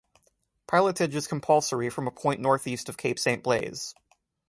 Pilotage is compulsory from a point northeast of Cape Saint Blaize.